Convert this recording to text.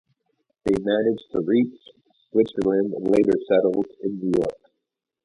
They managed to reach Switzerland, and later settled in New York.